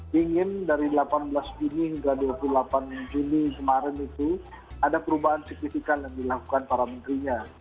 dingin dari delapan belas juni hingga dua puluh delapan juni kemarin itu ada perubahan signifikan yang dilakukan para menterinya